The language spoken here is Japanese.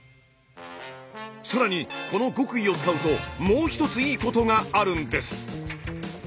更にこの極意を使うともう一ついいことがあるんです。